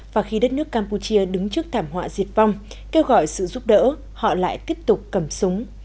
và khi đất nước campuchia đứng trước thảm họa diệt vong kêu gọi sự giúp đỡ họ lại tiếp tục cầm súng